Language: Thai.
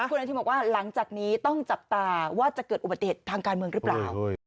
คุณอนุทินบอกว่าหลังจากนี้ต้องจับตาว่าจะเกิดอุบัติเหตุทางการเมืองหรือเปล่า